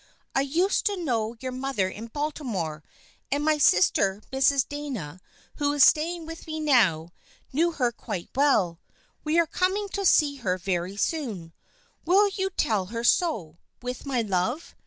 " I used to know your mother in Baltimore, and my sister Mrs. Dana, who is staying with me now, knew her quite well. We are coming to see her very soon. Will you tell her so, with my love?